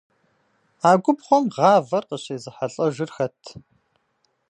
А губгъуэм гъавэр къыщезыхьэлӏэжыр хэт?